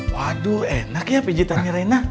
waduh enak ya pijitannya reina